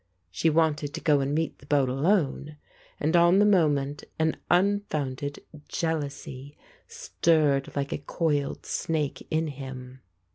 She wanted to go and meet the boat alone, and on the moment ah un founded jealousy stirred like a coiled snake in him.